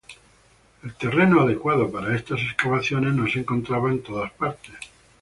El terreno adecuado para estas excavaciones no se encontraba en todas partes.